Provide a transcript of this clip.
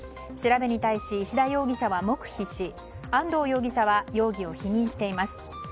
調べに対し石田容疑者は黙秘し安藤容疑者は容疑を否認しています。